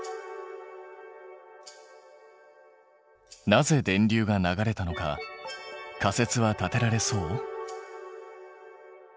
なぜ電流が流れたのか仮説は立てられそう？